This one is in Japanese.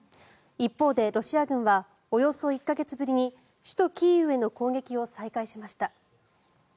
一方でロシア軍はおよそ１か月ぶりに首都キーウへの攻撃を再開しました。